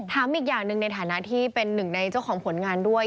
อีกอย่างหนึ่งในฐานะที่เป็นหนึ่งในเจ้าของผลงานด้วย